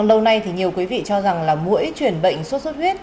lâu nay thì nhiều quý vị cho rằng là mỗi chuyển bệnh sốt xuất huyết